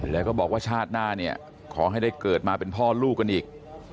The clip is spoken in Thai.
แล้วก็บอกว่าชาติหน้าเนี่ยขอให้ได้เกิดมาเป็นพ่อลูกกันอีก